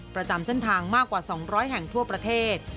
ประจำเส้นทางมากกว่า๒๐๐แห่งทั่วประเทศ